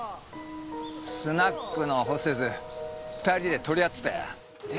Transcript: スナックのホステス２人で取り合ってたよ。